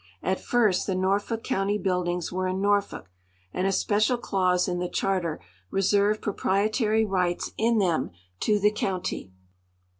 At first the Norfolk county buildings were in Norfolk, and a si)ecial clause in the charter reserved proprietary rights in them to the county.